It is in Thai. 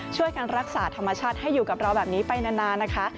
ช่วยกันรักษาธรรมชาติให้อยู่กับเราแบบนี้ไปนานนะคะ